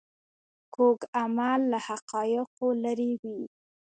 کوږ عمل له حقایقو لیرې وي